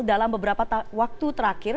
dalam beberapa waktu terakhir